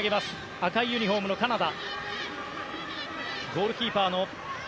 赤いユニホームのカナダ。